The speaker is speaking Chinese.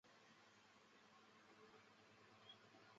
从此丝绸就在这里扎根了。